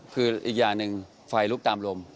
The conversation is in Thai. คืออีกอย่างหนึ่งไฟลุกตามลม